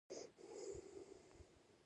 دَخوشنويسۍ دَواقعاتو ذکر هم کوي ۔